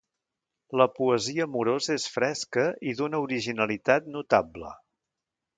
La poesia amorosa és fresca i d'una originalitat notable.